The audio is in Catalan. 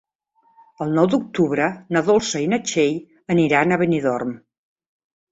El nou d'octubre na Dolça i na Txell aniran a Benidorm.